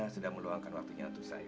sedang meluangkan waktunya untuk saya